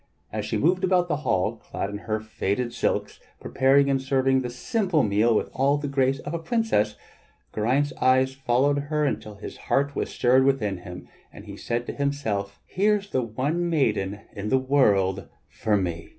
As she moved about the hall, clad in her faded silks, preparing 58 THE STORY OF KING ARTHUR and serving the simple meal with all the grace of a princess, Geraint's eyes followed her until his heart was stirred within him and he said to himself: "Here is the one maiden in the world for me."